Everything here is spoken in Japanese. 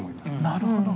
なるほど。